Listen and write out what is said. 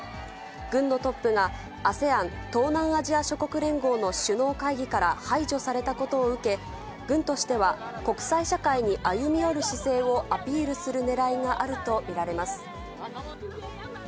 軍のトップが、ＡＳＥＡＮ・東南アジア諸国連合の首脳会議から排除されたことを受け、軍としては、国際社会に歩み寄る姿勢をアピールするねらいがあると見られます。